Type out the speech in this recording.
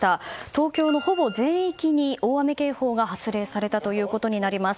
東京のほぼ全域に大雨警報が発令されたということになります。